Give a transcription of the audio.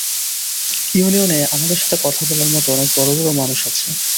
ইউনিয়নে আমাদের সাথে কথা বলার মতো অনেক বড় বড় মানুষ আছে।